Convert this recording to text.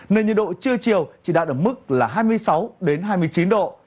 nền nhiệt độ trưa chiều chỉ đạt được mức là hai mươi sáu đến hai mươi chín độ